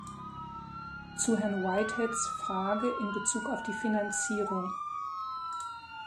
Zu Herrn Whiteheads Frage in Bezug auf die Finanzierung.